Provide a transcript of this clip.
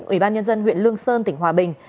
ủy ban nhân dân huyện lương sơn tỉnh hòa bình